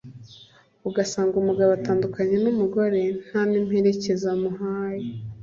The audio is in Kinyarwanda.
ugasanga umugabo atandukanye n’umugore nta n’imperekeza amuhaye